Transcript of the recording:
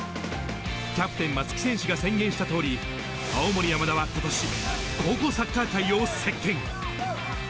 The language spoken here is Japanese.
キャプテン、松木選手が宣言したとおり、青森山田はことし、高校サッカー界を席けん。